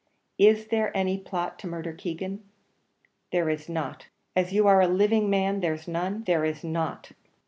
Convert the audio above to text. Is there any plot to murder Keegan?" "There is not." "As you are a living man, there's none?" "There is not."